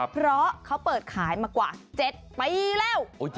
เพราะเขาเปิดขายมากว่า๗ปีแล้ว